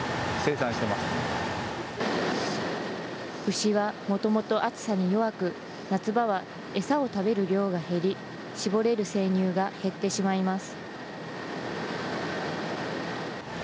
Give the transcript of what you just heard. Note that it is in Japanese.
牛はもともと暑さに弱く、夏場は餌を食べる量が減り、搾れる生乳が減ってしまいます。